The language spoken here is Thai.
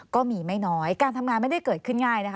ก็ไม่น้อยการทำงานไม่ได้เกิดขึ้นง่ายนะคะ